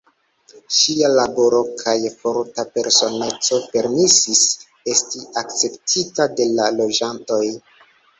Ŝia laboro kaj forta personeco permesis esti akceptita de la loĝantoj.